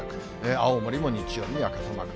青森も日曜日には傘マーク。